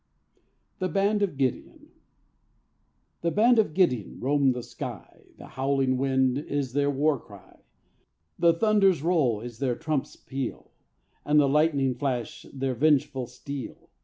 THE BAND OF GIDEON The band of Gideon roam the sky, The howling wind is their war cry, The thunder's roll is their trump's peal, And the lightning's flash their vengeful steel.